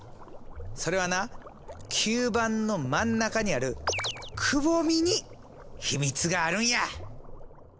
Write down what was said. それはな吸盤の真ん中にあるくぼみに秘密があるんや。